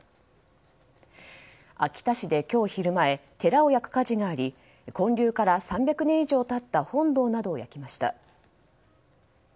秋田市で今日昼前寺を焼く火事があり建立から３００年以上経った本堂などを焼きました。